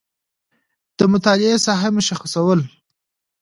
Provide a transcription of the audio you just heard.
د مطالعې ساحه مشخصول